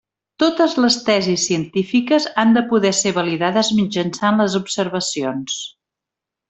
Totes les tesis científiques han de poder ser validades mitjançant les observacions.